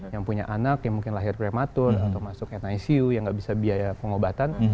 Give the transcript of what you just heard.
yang punya anak yang mungkin lahir prematur atau masuk nicu yang nggak bisa biaya pengobatan